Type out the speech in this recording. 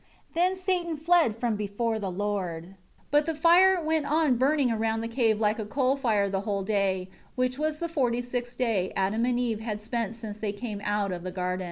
6 Then Satan fled from before the Lord. But the fire went on burning around the cave like a coal fire the whole day; which was the forty sixth day Adam and Eve had spent since they came out of the garden.